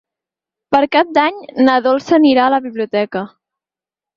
Per Cap d'Any na Dolça anirà a la biblioteca.